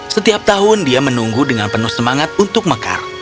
setiap tahun dia menunggu dengan penuh semangat untuk mekar